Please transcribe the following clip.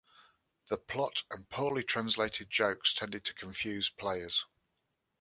The plot and poorly translated jokes tended to confuse players.